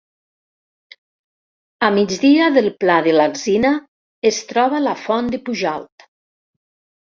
A migdia del Pla de l'Alzina es troba la Font de Pujalt.